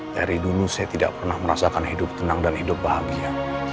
dari dulu saya tidak pernah merasakan hidup tenang dan hidup bahagia